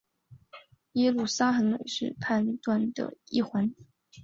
耶路撒冷会是谈判的一环。